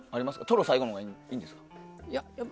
トロが最後のほうがいいんですか？